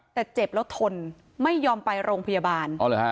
แต่เจ็บแล้วทนไม่ยอมไปโรงพยาบาลอ๋อเหรอฮะ